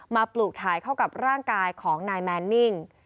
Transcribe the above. ปลูกถ่ายเข้ากับร่างกายของนายแมนนิ่ง